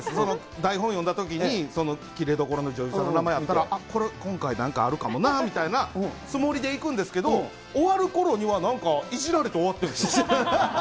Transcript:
台本読んだときに、きれいどころの女優さんの名前があったときに、これ、今回何かあるかもなみたいなつもりでいくんですけど、終わるころにはなんか、いじられて終わってるんですよ。